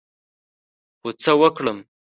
خو څه وکړم ؟